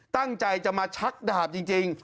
ตั้งใจจะมาชักดาบจริง